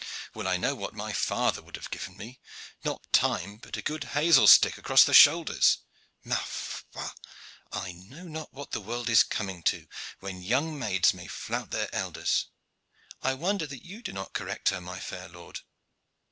"Well, I know that my father would have given me, not time, but a good hazel stick across my shoulders. Ma foi! I know not what the world is coming to, when young maids may flout their elders. I wonder that you do not correct her, my fair lord."